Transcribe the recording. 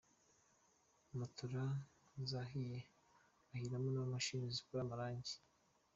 Matola zahiye, hahiramo n’ imashini zikora amarange.